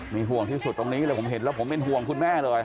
มีห่วงที่สุดตรงนี้เลยผมเห็นแล้วผมเป็นห่วงคุณแม่เลย